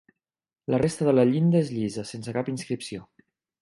La resta de la llinda és llisa sense cap inscripció.